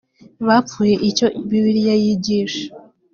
bapfuye icyo bibiliya yigisha